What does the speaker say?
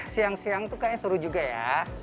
siang siang tuh kayaknya seru juga ya